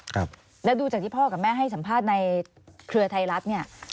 ครับแล้วดูจากที่พ่อกับแม่ให้สัมภาษณ์ในเครือไทยรัฐเนี่ย